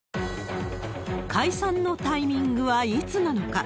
解散のタイミングはいつなのか。